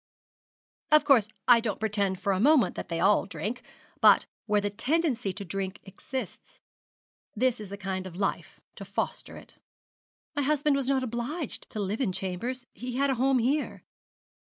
Of course, I don't pretend for a moment that they all drink; but where the tendency to drink exists this is the kind of life to foster it.' 'My husband was not obliged to live in chambers he had a home here.'